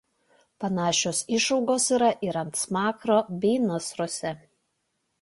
Panašios išaugos yra ir ant smakro bei nasruose.